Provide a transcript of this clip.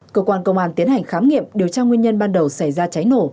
cơ quan công an tiến hành khám nghiệm điều tra nguyên nhân ban đầu xảy ra cháy nổ